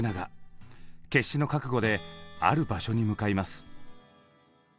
決死の覚悟である場所に向かいます。